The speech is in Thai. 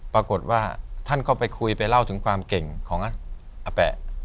ปรากฏว่าท่านก็ไปคุยไปเล่าถึงความเก่งของอาแปะ